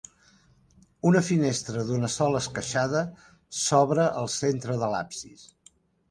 Una finestra d'una sola esqueixada s'obre al centre de l'absis.